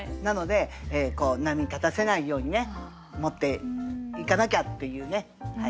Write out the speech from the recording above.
なので波立たせないようにね持っていかなきゃっていうね。